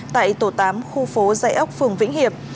tại tổ tám khu phố dãy ốc phường vĩnh hiệp